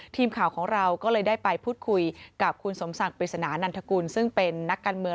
ทีมข่าวของเราก็เลยได้ไปพูดคุยกับคุณสมศักดิ์ปริศนานันทกุลซึ่งเป็นนักการเมือง